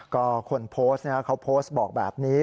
ก็คนโพสต์เขาโพสต์บอกแบบนี้